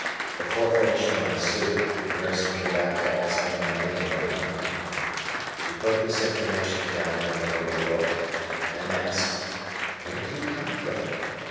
Before finishing my soup the nurse came back to ask me my name and number. She put this information down in a little book and then asked: "Where do you come from?"